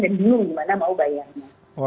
dan belum gimana mau bayarnya